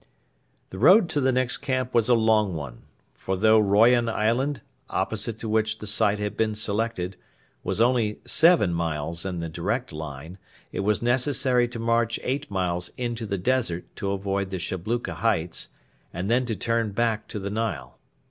The road to the next camp was a long one; for though Royan island, opposite to which the site had been selected, was only seven miles in the direct line, it was necessary to march eight miles into the desert to avoid the Shabluka heights, and then to turn back to the Nile.